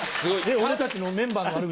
俺たちのメンバーの悪口？